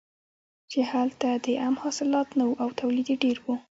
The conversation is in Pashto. چې هلته د عم حاصلات نه وو او تولید یې ډېر و.